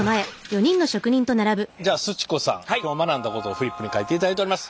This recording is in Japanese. じゃあすち子さん今日学んだことをフリップに書いていただいております。